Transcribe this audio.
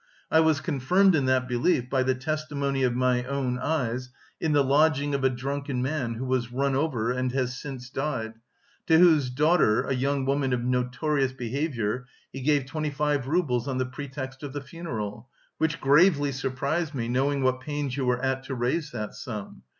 I was confirmed in that belief by the testimony of my own eyes in the lodging of a drunken man who was run over and has since died, to whose daughter, a young woman of notorious behaviour, he gave twenty five roubles on the pretext of the funeral, which gravely surprised me knowing what pains you were at to raise that sum.